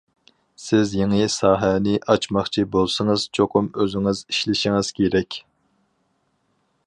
سىز يېڭى ساھەنى ئاچماقچى بولسىڭىز، چوقۇم ئۆزىڭىز ئىشلىشىڭىز كېرەك.